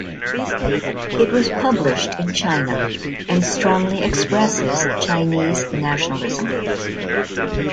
It was published in China and strongly expresses Chinese nationalism.